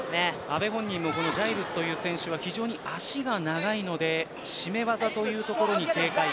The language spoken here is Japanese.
阿部本人もジャイルスという選手は非常に足が長いので絞技というところに警戒。